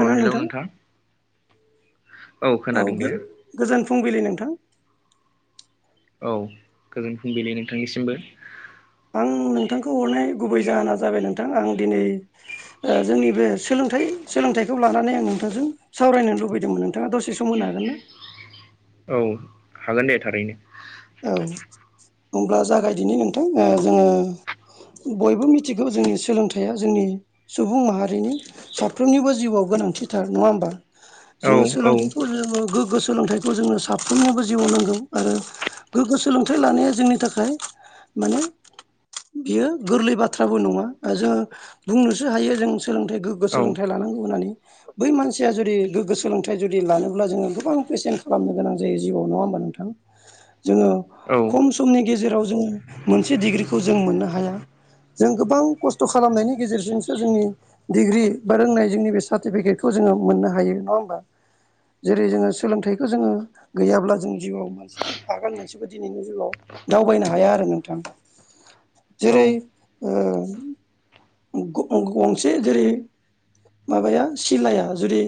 अ hello नोंथां औ खोनादों दे। गोजोन फुंबिलि नोंथां। औ गोजोन फुंबिलि नोंथांनिसिमबो आं नोंथांखौ हरनाय गुबै जाहोना जाबाय नोंथां आं दिनै जोंनि बे सोलोंथाइ सोलोंथाइखौ लानानै आं नोंथांजों सावरायनो लुबैदोंमोन नोंथाङा दसे सम होनो हागोन ना औ हागोन दे थारैनो औ होब्ला जागायदिनि नोंथां जोङो बयबो मिथिगौ जोंनि सोलोंथाइया जोंनि सुबुं माहारिनि साफ्रोमनिबो जिउआव गोनांथिथार नङा होमबा। जोङो औ सोलोंथाइखौ जोङो गोग्गो सोलोंथाइखौ जोङो साफ्रोमनिबो जिउआव नांगौ आरो गोग्गो सोलोंथाइ लानाया जोंनि थाखाय माने बेयो गोरलै बाथ्राबो नङा जोङो बुंनोसो हायो जों सोलोंथाइ गो औ सोलोंथाइ लानांगौ होननानै बै मानसिया जुदि गोग्गो सोलोंथाइ जुदि लानोब्ला जोङो गोबां पेसेन्ट खालामनो गोनां जायो जिउआव नङा होमबा नोंथां? जोङो औ खम समनि गेजेराव जोङो मोनसे डिग्रिखौ जों मोननो हाया जों गोबां खस्थ' खालामनायनि गेजेरजोंसो जोंनि डिग्रि बा रोंनायजोंोंनि बे सार्टिफिकेटखौ जोङो मोननो हायो नङा होमबा जेरै जोङो सोलोंथाइखौ जोङो गैयाब्ला जों जिउआव मानसि आगान मोनसेबो दिनैनि जिउगाव दावबायनो हाया आरो नोंथां औ जेरै गंसे जेरै माबाया सिलाया जुदि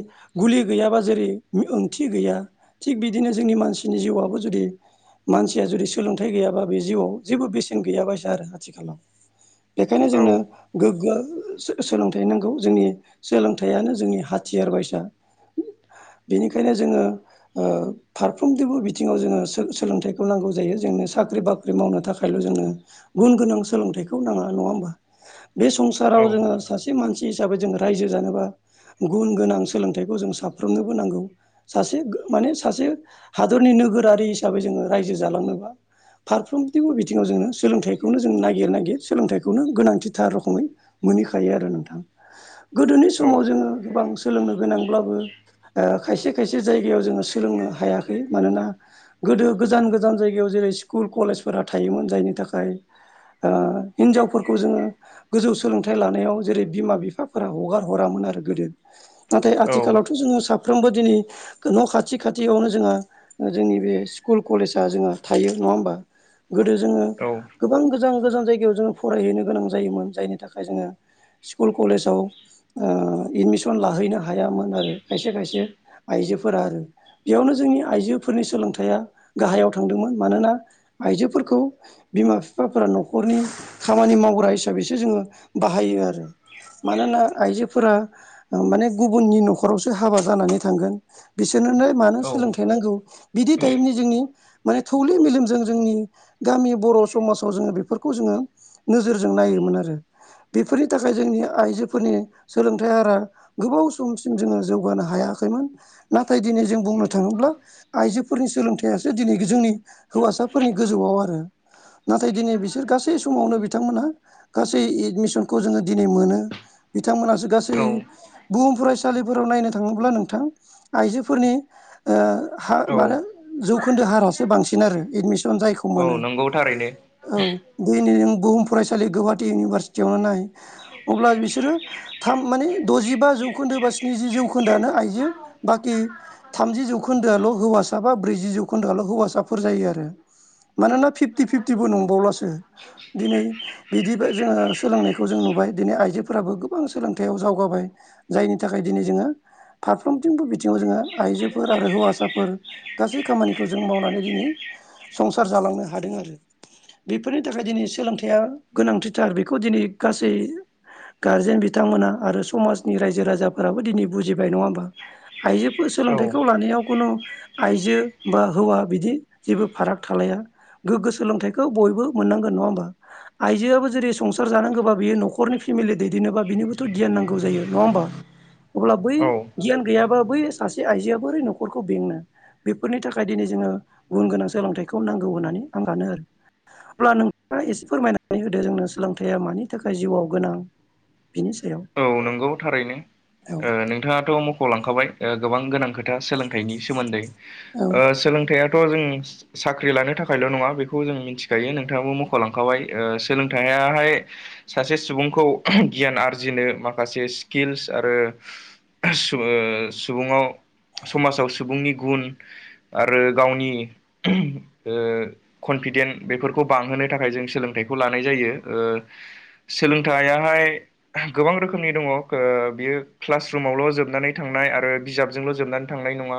गुलि गैयाबा जेरै ओंथि गैया थिग बिदिनो जोंनि मानसिनि जिउआबो जुदि मानसिया जुदि सोलोंथाइ गैयाबा बे जिउआव जेबो बेसेन गैया बायसा आरो आथिखालाव बेखायनो औ जोंनो गोग्गो सोलोंथाइ नांगौ जोंनि सोलोंथायानो जोंनि हाथियार बायसा बेनिखायनो जोङो ओ फारफ्रोमनिबो बिथिङाव जोङो सोलोंथाइखौ नांगौ जायो जोंनो साख्रि बाख्रि मावनो थाखायल' जों गुन गोनां सोलोंथाइखौ नाङा नङा होमबा बे संसाराव औ जोङो सासे मानसि हिसाबै जों रायजो जानोबा गुन गोनां सोलोंथाइखौ जों साफ्रोमनोबो नांगौ सासे माने सासे हादरनि नोगोरारि हिसाबै जोङो रायजो जखलाङोबा फारफ्रोमथिबो बिथिङाव जोङो सोलोंथाइखौनो जों नागिर नागिर सोलोंथाइखौनो गोनांथिथार रोखोमै मोनहैखायो आरो नोंथां गोदोनि समाव जोङो बांसिन सोलोंनो गोनांब्लाबो खायसे खायसे जायगायाव जोङो सोलोंनो हायाखै मानोना गोदो गोजान गोजान जायगायाव जेरै स्कुल कलेजफोरा थायोमोन जायनि थाखाय हिन्जावफोरखौ जोङो गोजौ सोलोंथाइ लानायाव जेरै बिमा बिफाफोरा हगार हरामोन आरो गोदो नाथाय आथिखालावथ' जोङो साफ साफ्रोमबो दिनै न' खाथि खाथियावनो जोंहा जोंनि बे स्कुल कलेज आ जोंहा थायो नङा होमबा गोदो जोङो गोबां गो गोजान गोजान जायगायाव जोङो फरायहैनो गोनां जायोमोन जायनि थाखाय जोङो स्कुल कलेजाव एदमिसन लाहैनो हायामोन आरो खायसे खायसे आइजोफोरा आरो बेयावनो जोंनि आइजोफोरनि सोलोंथाया गाहायाव थांदोंमोन मानोना आइजोफोरखौ बिमा बिफाफोरा न'खरनि खामानि मावग्रा हिसाबैसो जोङो बाहायो आरो मानोना आइजोफोरा माने गुबुननि न'खरावसो हाबा जानानै थांगोन बिसोरनोनो मानो औ सोलोंथ नांगौ बिदि टाइबनि जोंनि माने थौले मेलेमजों जोंनि गामि बर' समाजाव जोङो बेफोरखौ जोङो नोजोरजों नायोमोन आरो बेफोरनि थाखाय जोंनि आइजोफोरनि सोलोंथाइ हारा गोबाव समसिम जोङो जौगानो हायाखैमोन नाथाय दिनै जों बुंनो थाङोब्ला आइजोफोरनि सोलोंथा यासो दिनै जोंनि हौवासाफोरनि गोजौआव आरो नाथाय दिनै बिसोर गासै समावनो बिथांमोनहा गासै एडमिसनखौ जोङो दिनै मोनो बिथांमोनासो गासै औ बुहुम फरायसा सालिफोराव नायनो थाङोब्ला नोंथां आइजोफोरनि हार औ मान जौखोन्दो हारासो बांसिन आरो एदमिसन जायखौ औ मोनो नंगौ थारैनो औ दैनि नों बुहुम फरायसालि गुवाहाटि इउनिभारसिटियावनो नाय अब्ला बिसोरो थाम माने द'जिबा जौखोन्दो बा स्निजि जौखोन्दोआनो आइजो बाखि थामजि जौखोन्दोआल' हौवासा बा ब्रैजि जौखोन्दोआल' हौवासाफोर जायो आरो मानोना फिफ्टि फिफ्टिबो नंबावलासो दिनै बिदि जोङो सोलोंनायखौ जों नुबाय दिनै आइजोफोराबो गोबां सोलोंथायाव जावगाबाय जायनि थाखाय दिनै जोङो फारफ्रोमथिंबो बिथिङाव जोङो आइजोफोर आरो हौवासाफोर गासै खामानिखौ जों मावनानै दिनै संसार जालांनो हादों आरो बेफोरनि थाखाय दिनै सोलोंथाइया गोनांथिथार बेखौ दिनै गासै गारजेन बिथांमोना आरो समाजनि रायजो राजाफोराबो दिनै बुजिबाय नङा होमबा आइजोफोर औ सोलोंथाइखौ लानायाव खुनु आइजो बा हौवा बिदि जेबो फाराग थालाया गोग्गो सोलोंथाइखौ बयबो मोननांगोन नङा होमबा आइजोआबो जेरै संसार जानांगौबा बेयो न'खरनि फेमिलि दैदेननोबा बिनिबोथ' गियान नांगौ जायो नङा होमबा अब्ला बै औ गियान गैयाबा बै सासे आइजोआ बोरै न'खरखौ बेंनो बेफोरनि थाखाय दिनै जोङो गुन गोनां सोलोंथाइखौ नांगौ होननानै आं सानो आरो अब्ला नोंथाङा एसे फोरमायनानै होदो जोंनो सोलोंथाइया मानि थाखाय जिउआव गोनां बिनि सायाव औ नंगौ थारैनो औ नोंथाङाथ' मख'लांखाबाय गोबां गोनां खोथा सोलोंथाइनि सोमोन्दै औ ओ सोलोंथाइयाथ' जों साख्रि लानो थाखायल' नङा बेखौ जों मिथिखायो नोंथाङाबो मख'लांखाबाय सोलोंथायाहाय सासे सुबुंखौ गियान आरजिनो माखासे स्किल्स आरो सुबुङाव समाजाव सुबुंनि गुन आरो गावनि ओ कनफिदेन् बेफोरखौ बांहोनो थाखाय जों सोलोंथाइखौ लानाय जायो ओ सोलोंथाइयाहाय गोबां रोखोम रोखोमनि दङ बियो क्लास रुमावल' जोबनानै थांनाय आरो बिजाबजोंल' जोबनानै थांनाय नङा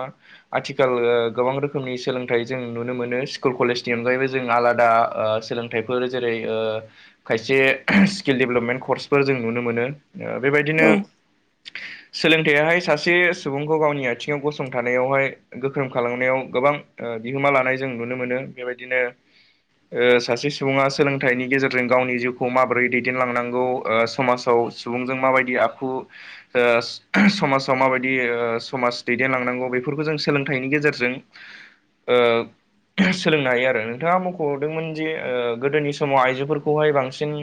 आथिखाल गोबां रोखोमनि सोलोंथाइ जों नुनो मोनो स्कुल कलेजनि अनगायैबो जों आलादा ओ सोलोंथाइ खथायफोर जेरै खायसे स्किल डेभेलपमेन्ट कर्सफोर जों नुनो मोनो बेबायदिनो सोलोंथायाहाय सासे सुबुंखौ गावनि आथिङाव गसंथानायावहाय गोख्रों खालामनायाव गोबां बिहोमा लानाय जों नुनो मोनो बेबायदिनो ओ सासे सुबुङा सोलोंथाइनि गेजेरजों गावनि जिउखौ माबोरै दैदेनलांनांगौ ओ समाजाव सुबुंजों माबायदि आखु ओ समाजाव माबायदि ओ समाज दैदेनलांनांगौ बेफोरखौ जों सोलोंथाइनि गेजेरजों ओ सोलोंनो हायो आरो नोंथाङा मख'रदोंमोन जे गोदोनि समाव आइजोफोरखौहाय बांसिन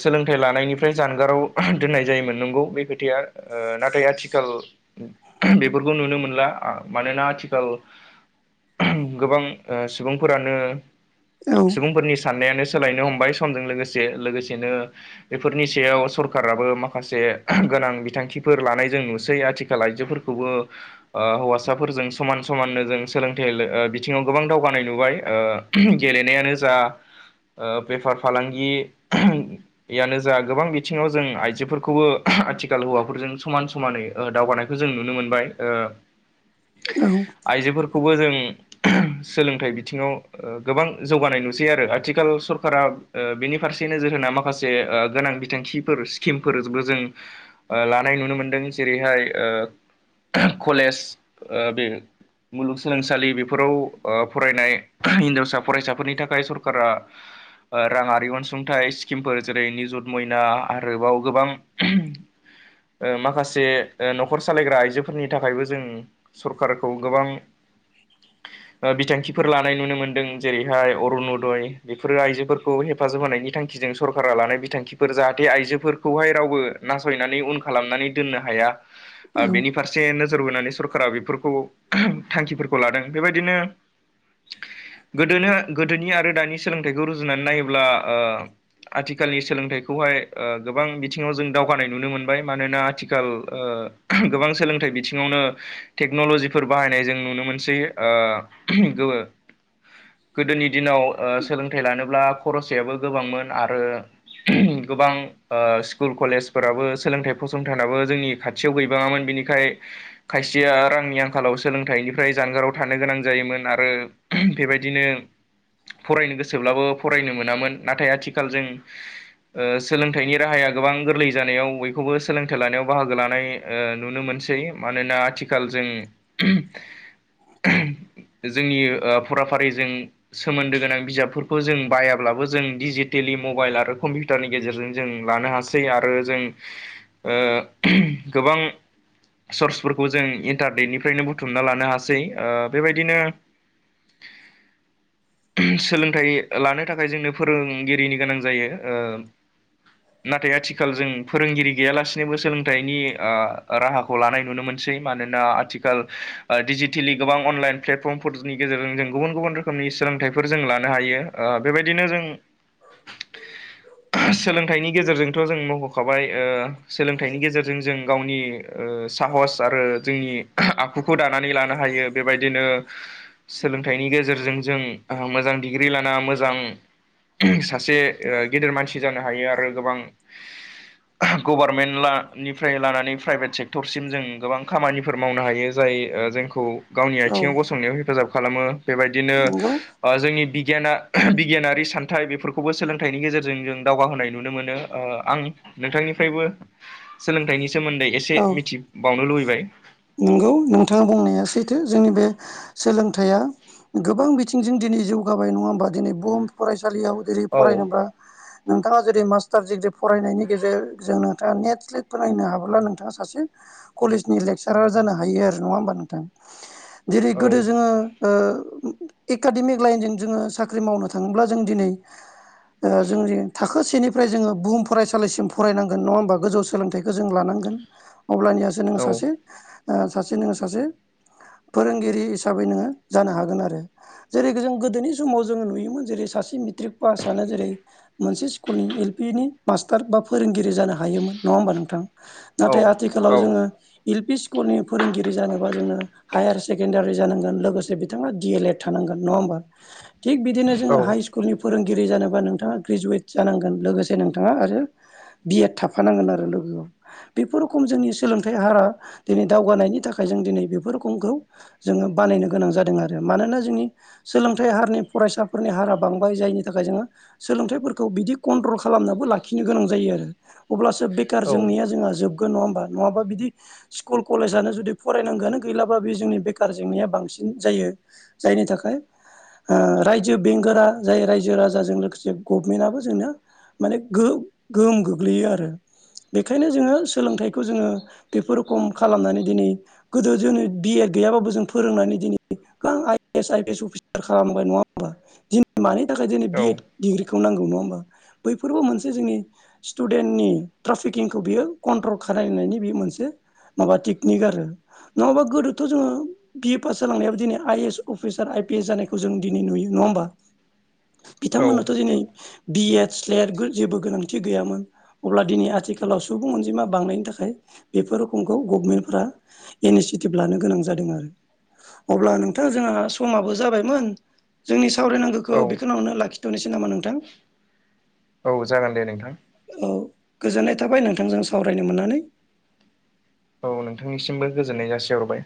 सोलोंथाइ लानायनिफ्राय जानगाराव दोननाय जायोमोन नंगौ बे खोथाया नाथाय आथिखाल बेफोरखौ नुनो मोनला मानोना आथिखाल गोबां सुबुंफोरानो औ सुबुंफोरनि सानानो सोलायनो हमबाय समजों लोगोसे लोगोसेनो बेफोरनि सायाव स सरखाराबो माखासे गोनां बिथांखिफोर लानाय जों नुसै आथिखाल आइजोफोरखौबो ओ हौवासाफोरजों समान समाननो जों सोलोंथाइ बिथिङाव गोबां दावगानाय नुबाय गेलेनायानो जा बेफार फालांगियानो जा गोबां बिथिं सिङाव जों आइजोफोरखौबो आथिखाल हौवाफोरजों समान समानै दावगानायखौ जों नुनो मोनबाय उ आइजोफोरखौबो जोंनि सोलोंथाइ बिथिङाव ओ गोबां जौगानाय नुसै आरो आथिखाल सरकारा ओ बेनि फारसे नोजोर होना माखासे से ओ गोनां बिथांखि फोर स्किमफोरबो जों लानाय नुनो मोनदों जेरैहाय कलेज बे मुलुगसोलोंसालि बेफोराव फरायनाय हिनजावसा फरायसाफोरनि थाखाय सरकारा राङारि अनसुंथाइ स्किमफोर जेरै निजुत मयना आरोबाव गोबां ओ माखासे ओ न'खर सालायग्रा आइजोफोरनि थाखायबो जों सरखारखौ गोबां ओ बिथांखिफोर लानाय नुनो मोनदों। जेरैहाय अरुनदय बेफोरो आइजोफोरखौ हेफाजाब होनायनि थांखिजों सरकारा लानाय बिथांखिफोर जाहा थे आइजोफोरखौहाय रावबो नासयनानै उन खालामनानै दोननो हाया औ बेनि फारसे से नोजोर बोनानै सरकारा बेफोरखौ थांखिफोरखौ लादों बेबायदिनो गोदोनो गोदोनि आरो दानि सोलोंथाइखौ रुजुनानै नायोब्ला ओ आथिखालनि सोलोंथाइखौहाय ओ गोबां बिथिङाव जों दावगानाय नुनो मोनबाय मानोना आथिखाल ओ गोबां सोलोंथाइ बिथिङावनो टेक्न'ल'जिफोर बाहायनाय जों नुनो मोनसै ओ गो गोदोनि दिनाव ओ सोलोंथाइ लानोब्ला खरसायाबो गोबांमोन आरो गोबां ओ स्कुल कलेजफोराबो सोलोंथाइ फसंथानाबो जोंनि खाथियाव गैबाङामोन बिनिखाय खायसेया रांनि आंखालाव सोलोंथाइनिफ्राय जानगाराव थानो गोनां जायोमोन आरो बेबायदिनो फरायनो गोसोब्लाबो फरायनो मोनामोन नाथाय आथिखाल जों ओ सोलोंथाइनि राहाया गोबां गोरलै जानायाव बयखौबो सोलोंथाइ लानायाव बाहागो लानाय ओ नुनो मोनसै मानोना थिखाल जों जोंनि ओ फराफारिजों सोमोन्दो गोनां बिजाबफोरखौ जों बायाब्लाबो जों डिजिटेलि मबाइल आरो कम्पिउटारनि गेजेरजों जों लानो हासै आरो जों ओ गोबां सर्सफोरखौ जों इन्टारनेटनिफ्रायनो बुथुमना लानो हासै ओ बेबायदिनो सोलोंथाइ लानो थाखाय जोंनो फोरोंगिरिनि गोनां जायो ओ नाथाय आथिखाल जों फोरोंगिरि गैयालासिनोबो सोलोंथाइनि ओ राहा खौ लानाय नुनो मोनसै मानोना आथिखाल डिजिटेलि गोबां अनलाइन प्लेटफर्म। [unintelligible] गेजेरजों जों गुबुन गुबुन रोखोमनि सोलोंथाइफोर जों लानो हायो ओ बेबायदिनो जों सोलोंथाइनि गेजेरजोंथ' जों मख'खाबाय ओ सोलोंथाइनि गेजेरजों जों गावनि ओ साहस आरो जोंनि आखुखौ दानानै लानो हायो बेबायदिनो सोलोंथाइनि गेजेरजों जों मोजां डिग्रि लाना मोजां सासे ओ गेदेर मानसि जानो हायो आरो गोबां गभारमेन्ट ला निफ्राय लानानै प्राइभेट सेक्टरसिम जों गोबां खामानिफोर मावनो हायो जाय जोंखौ गावनि आथिङाव गसंनायाव हेफाजाब खालामो बेबायदिनो नंगौ ओ जोंनि बिगियाना बिगियानारि सान्थाइ बेफोरखौबो सोलोंथाइनि गेजेरजों जों दावगाहोनाय नुनो मोनो ओ आं नोंथांनिफ्रायबो सोलोंथाइनि सोमोन्दै एसे औ एसे मिथिबावनो लुबैबाय। नंगौ नोंथाङा बुंनाया सैथो जोंनि बे सोलोंथाइया गोबां बिथिंजों दिनै जौगाबाय नङा होमबा दिनै बुहुम फरायसालियाव जेरै औ फरायनोब्ला नोंथाङा जुदि मास्टार दिग्रि फरायनायनि गेजेरजों नोंथाङा नेट स्लेत फोनांनो हाबोला नों नोंथाङा सासे कलेजनि लेक्सारार जानो हायो आरो नङा होमबा नोंथां। जेरै औ गोदो जोङो ओ एकाडेमिक लाइनजों जोङो साख्रि मावनो थाङोब्ला जों दिनै ओ जोंनि थाखो सेनिफ्राय जोङो बुहुम फरायसालिसिम फरायनांगोन नङा होमबा गोजौ सोलोंथाइखौ जों लानांगोन। अब्लानियासो नोंङो औ सासे सासे नोङो सासे फोरोंगिरि हिसाबै नोङो जानो हागोन आरो। जेरै जों गोदोनि समाव जोंङो नुयोमोन जेरै सासे मेट्रिक पासानो जेरै मोनसे स्कुलनि एल पि नि मास्टार बा फोरोंगिरि जानो हायोमोन नङा होमबा नोंथां औ नाथाय आथिखालाव जोङो एल पि स्कुलनि फोरोंगिरि जानोबा जोङो हायार सेकेण्डारि जानांगोन लोगोसे बिथाङा डि एल एड थानांगोन नङा होमबा थिग बिदिनो औ जोङो हाइ स्कुलनि फोरोंगिरि जानोबा नोंथाङा ग्रेजुवेट जानांगोन लोगोसे नोंथाङा आरो बि एड थाफानांगोन आरो लोगोआव बेफोर रोखोम जोंनि सोलोंथाइ हारा दिनै दावगानायनि थाखाय जों दिनै बेफोर खोमखौ जोङो बानायनो गोनां जादों आरो मानोना जोंनि सोलोंथाइ हारनि फरायसाफोरनि हारा बांबाय जायनि थाखाय जोङो सोलोंथाइफोरखौ बिदि कन्ट्रल खालामनाबो लाखिनो गोनां जायो आरो अब्लासो बेखार जेंनाया जोंहा जोबगोन नङा होमबा नङाबा बिदि स्कुल कलेजानो जुदि फरायनांगौआनो गैलाबा बे जोंनि बेखार जेंनाया बांसिन जायो। जायनि थाखाय ओ रायजो बेंगोरा जाय रायजो राजाजों लोगोसे गभमेन्टआबो जोंनो माने गो गोहोम गोग्लैयो आरो बेखायनो जोङो सोलोंथाइखौ जोङो बेफोर खम खालामनानै दिनै गोदो जों बि एड गैयाबाबो जों फोरोंनानै दिनै गोबां I S, I P S officer खालामबाय नङा होमबा दिनै मानि थाखाय दिनै बि औ एड डिग्रिखौ नांगौ नङा होमबा बैफोरबो मोनसे जोंनि स्टुडेन्टनि ट्राफिकिंखौ बियो कन्ट्रल खालामनायनि बे मोनसे माबा टेकनिक आरो नङाबा गोदोथ' जोङो बि ए पास जालांनायावाब दिनै I A S officer I P S जानायखौ जों दिनै नुयो नङा होमबा औ बिथांमोनाथ' दिनै बि एड, स्लेट जेबो गोनांथि गैयामोन अब्ला दिनै आथिखालाव सु बुं अनजिमा बांनायनि थाखाय बेफोर रोखोमखौ गभमेन्टफ्रा इनिसियेटिभ लानो गोनां जादों आरो। अब्ला नोंथां जोंहा समाबो जाबायमोन जोंनि सावरायनांगौ औ खौ बेखिनियावनो लाखिथ'नोसै नामा नोंथां। औ जागोन दे नोंथां। औ गोजोननाय थाबाय नोंथांजों सावरायनो मोननानै। औ नोंथांनिसिमबो गोजोननाय जासिहरबाय।